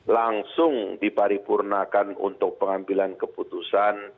langsung diparipurnakan untuk pengambilan keputusan